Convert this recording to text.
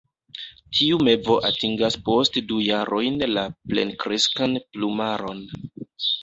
Tiu mevo atingas post du jarojn la plenkreskan plumaron.